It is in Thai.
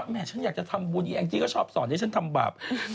แม่ฉันอยากจะทำบุญแองจี้ก็ชอบสอนให้ฉันทำบาป